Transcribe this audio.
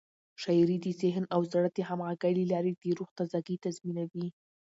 شاعري د ذهن او زړه د همغږۍ له لارې د روح تازه ګي تضمینوي.